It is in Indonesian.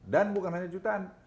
dan bukan hanya jutaan